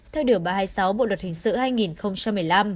theo điều ba trăm hai mươi sáu bộ luật hình sự hai nghìn một mươi năm